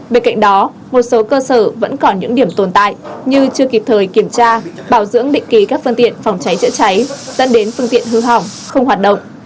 bên cạnh đó một số cơ sở vẫn còn những điểm tồn tại như chưa kịp thời kiểm tra bảo dưỡng định kỳ các phương tiện phòng cháy chữa cháy dẫn đến phương tiện hư hỏng không hoạt động